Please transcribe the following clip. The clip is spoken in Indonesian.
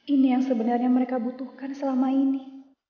ini yang sebenarnya mereka butuhkan selama ini